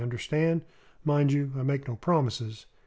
Understand? Mind you, I make no promises."